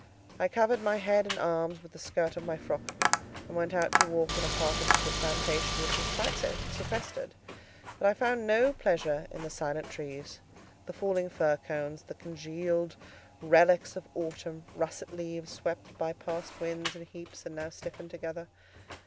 I covered my head and arms with the skirt of my frock, and went out to walk in a part of the plantation which was quite sequestrated; but I found no pleasure in the silent trees, the falling fir cones, the congealed relics of autumn, russet leaves, swept by past winds in heaps, and now stiffened together.